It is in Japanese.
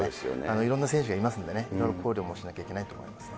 いろんな選手がいますんでね、いろいろ考慮もしないといけないと思いますね。